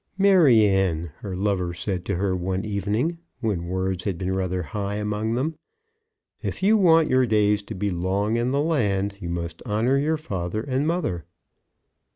"Maryanne," her lover said to her one evening, when words had been rather high among them, "if you want your days to be long in the land, you must honour your father and mother."